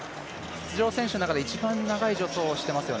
出場選手の中で一番長い助走をしています。